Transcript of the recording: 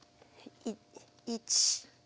１。